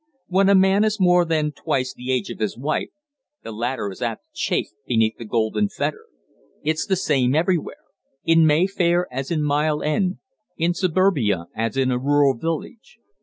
When a man is more than twice the age of his wife, the latter is apt to chafe beneath the golden fetter. It's the same everywhere in Mayfair as in Mile End; in Suburbia as in a rural village.